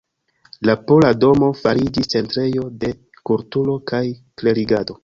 La Pola domo fariĝis centrejo de kulturo kaj klerigado.